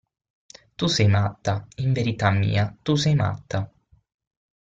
Tu sei matta, in verità mia, tu sei matta!